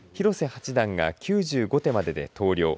八段が９５手まで投了。